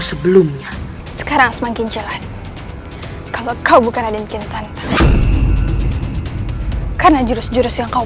kau akan sampai ke hampir kehormatan untuk menjawab kesalahan kamu